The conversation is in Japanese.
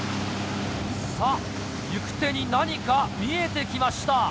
さぁ行く手に何か見えてきました。